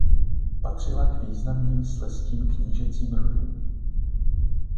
Patřila k významným slezským knížecím rodům.